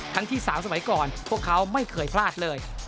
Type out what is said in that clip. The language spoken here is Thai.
ที่๓สมัยก่อนพวกเขาไม่เคยพลาดเลย